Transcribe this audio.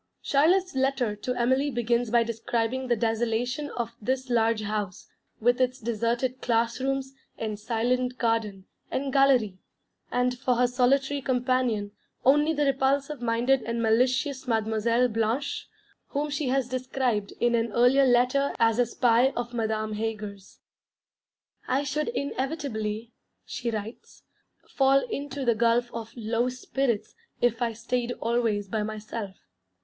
Charlotte's letter to Emily begins by describing the desolation of this large house, with its deserted class rooms, and silent garden, and galérie, and for her solitary companion only the repulsive minded and malicious Mademoiselle Blanche, whom she has described in an earlier letter as a spy of Madame Heger's. 'I should inevitably,' she writes, 'fall into the gulf of low spirits if I stayed always by myself....